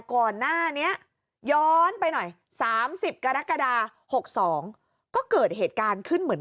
ก่อนหน้านี้ย้อนไปหน่อย๓๐กรกฎา๖๒ก็เกิดเหตุการณ์ขึ้นเหมือน